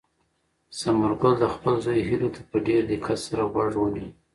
ثمرګل د خپل زوی هیلو ته په ډېر دقت سره غوږ ونیو.